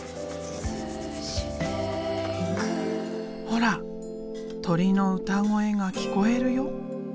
ほら鳥の歌声が聞こえるよ。